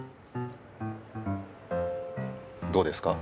どうですか？